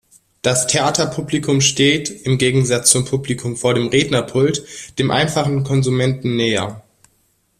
Das Theaterpublikum steht, im Gegensatz zum Publikum vor dem Rednerpult, dem einfachen Konsumenten näher.